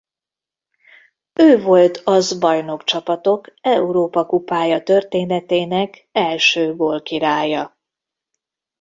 Ő volt az Bajnokcsapatok Európa-kupája történetének első gólkirálya.